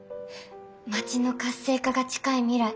街の活性化が近い未来